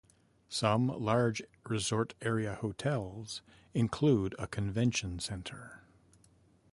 Some large resort area hotels include a convention center.